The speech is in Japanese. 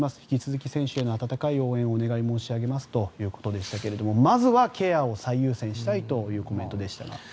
引き続き選手への温かい応援をお願い申し上げますということでしたがまずはケアを最優先したいというコメントでした。